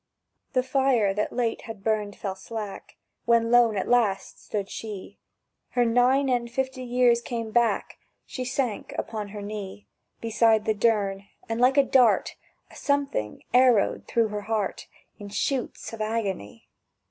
The fire that late had burnt fell slack When lone at last stood she; Her nine and fifty years came back; She sank upon her knee Beside the durn, and like a dart A something arrowed through her heart In shoots of agony.